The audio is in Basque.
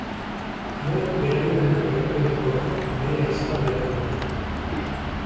Hala, berarengana gerturatuko da bere ahizpa delakoan.